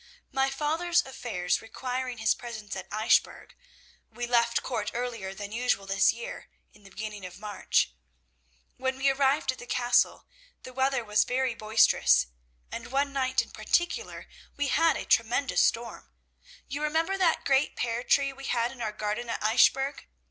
My father's affairs requiring his presence at Eichbourg, we left Court earlier than usual this year in the beginning of March. When we arrived at the Castle, the weather was very boisterous, and one night in particular we had a tremendous storm. You remember the great pear tree we had in our garden at Eichbourg?